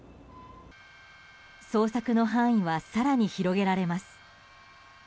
捜索の範囲は更に広げられます。